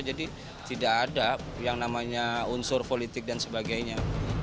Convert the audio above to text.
jadi tidak ada yang namanya unsur politik dan sebagainya